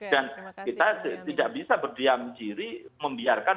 dan kita tidak bisa berdiam diri membiarkan